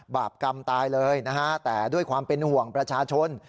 บาปกรรมตายเลยนะฮะแต่ด้วยความเป็นห่วงประชาชน